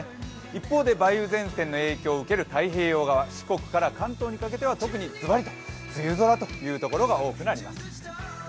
一方で、梅雨前線の影響を受ける太平洋側四国から関東にかけては特にズバリ、梅雨空の所が多くなります。